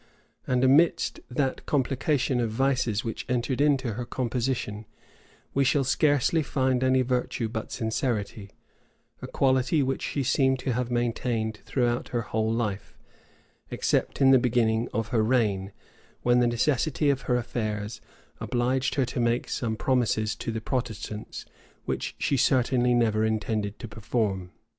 And amidst that complication of vices which entered into her composition, we shall scarcely find any virtue but sincerity; a quality which she seems to have maintained throughout her whole life; except in the beginning of her reign, when the necessity of her affairs obliged her to make some promises to the Protestants, which she certainly never intended to perform.